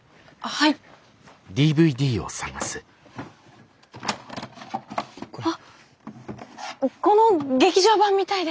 はっこの劇場版見たいです。